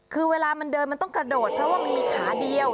คือเวลามันเดินมันต้องกระโดดเพราะว่ามันมีขาเดียว